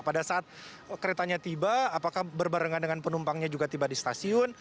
pada saat keretanya tiba apakah berbarengan dengan penumpangnya juga tiba di stasiun